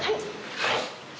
はい。